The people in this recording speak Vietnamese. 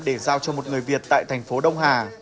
để giao cho một người việt tại thành phố đông hà